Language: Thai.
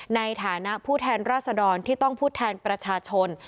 ในฐานะผู้แทนราษดรที่ต้องพูดแทนประชาชน